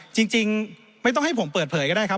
จริงไม่ต้องให้ผมเปิดเผยก็ได้ครับ